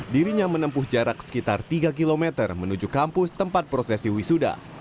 dirinya menempuh jarak sekitar tiga km menuju kampus tempat prosesi wisuda